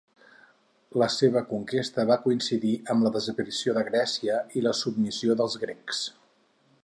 La seva conquesta va coincidir amb la desaparició de Grècia i la submissió dels grecs.